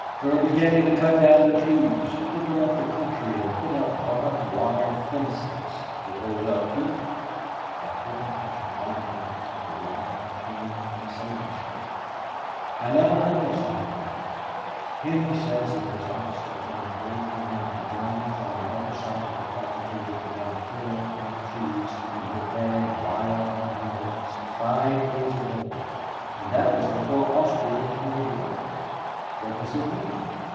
"They were beginning to cut down the trees to open up the country and to put up barbed wire fences to hold up people I couldn't help wondering if the wire came from Sabinsport. I never heard of such a thing. Henry says that his officer friend told him that the Germans on the other side of the frontier began clearing out trees and preparing wire entanglements five days ago and that was before Austria declared war. What does it mean?